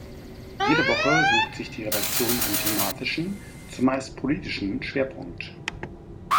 Jede Woche sucht sich die Redaktion einen thematischen, zumeist politischen Schwerpunkt.